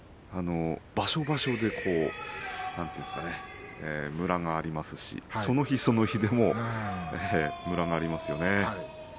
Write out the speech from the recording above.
場所場所でムラがありますしその日その日でもムラがありますよね。